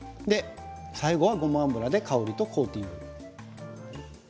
最後はごま油で香りとコーティング。